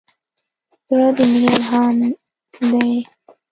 زړه د مینې الهام دی.